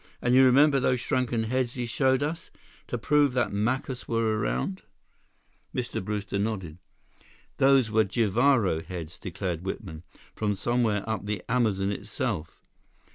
And you remember those shrunken heads he showed us? To prove that Macus were around?" Mr. Brewster nodded. "Those were Jivaro heads," declared Whitman, "from somewhere up the Amazon itself.